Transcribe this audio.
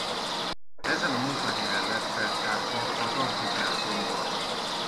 Ezen a munkahelyen lett feltárva az Amfiteátrum-barlang.